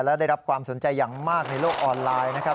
และได้รับความสนใจอย่างมากในโลกออนไลน์นะครับ